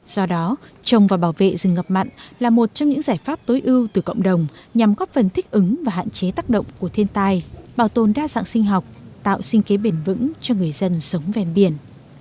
do đó trồng và bảo vệ rừng ngập mặn là một trong những giải pháp tối ưu từ cộng đồng nhằm góp phần thích ứng và hạn chế tác động của thiên tai bảo tồn đa dạng sinh học tạo sinh kế bền vững cho người dân sống ven biển